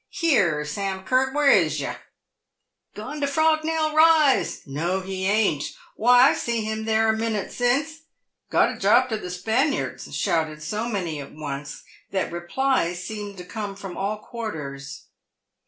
"Here, Sam Curt! "Where is yer ?"" Gone to Frognell Eise"— •" No he ain't"—" Why I see him there a minute since" —* Got a job to the Spaniards," shouted so many at once, that replies seemed to come from all quarters.